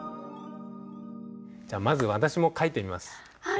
じゃあまず私も書いてみます。